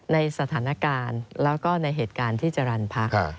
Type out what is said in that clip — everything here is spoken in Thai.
ในสถานการณ์แล้วก็ในเหตุการณ์ที่จรรย์พัก